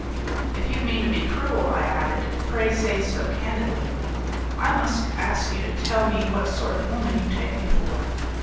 "If you mean to be cruel," I added, "pray say so candidly." "I must ask you to tell me what sort of a woman you take me for?"